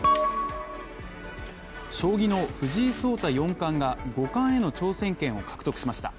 将棋の藤井聡太４冠が５冠への挑戦権を獲得しました。